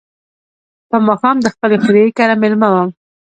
په ماښام د خپل خوریي کره مېلمه وم.